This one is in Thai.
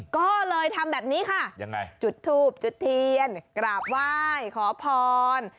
ก็เลยทำแบบนี้ค่ะยังไงจุดทูบจุดเทียนกราบไหว้ขอพร